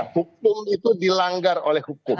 hukum itu dilanggar oleh hukum